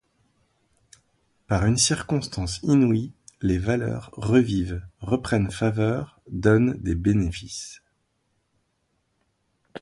Par une circonstance inouïe, les valeurs revivent, reprennent faveur, donnent des bénéfices.